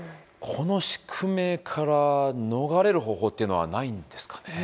この宿命から逃れる方法っていうのはないんですかね。